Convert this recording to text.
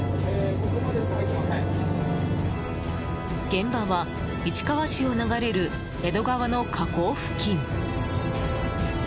現場は市川市を流れる江戸川の河口付近。